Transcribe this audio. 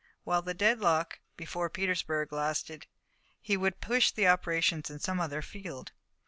While the deadlock before Petersburg lasted he would push the operations in some other field.